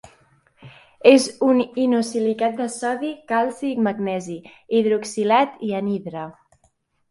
És un inosilicat de sodi, calci i magnesi, hidroxilat i anhidre.